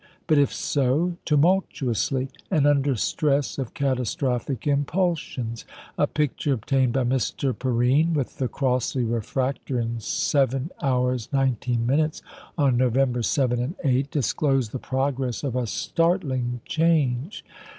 But if so, tumultuously, and under stress of catastrophic impulsions. A picture obtained by Mr. Perrine with the Crossley refractor, in 7h. 19m., on November 7 and 8, disclosed the progress of a startling change.